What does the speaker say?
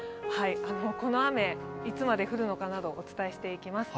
この雨、いつまで降るのかなどお伝えしていきます。